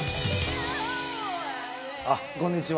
あっこんにちは。